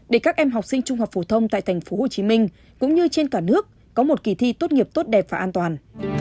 để các em học sinh trung học phổ thông tại tp hcm cũng như trên cả nước có một kỳ thi tốt nghiệp tốt đẹp và an toàn